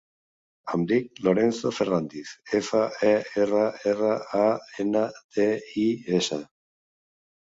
Em dic Lorenzo Ferrandis: efa, e, erra, erra, a, ena, de, i, essa.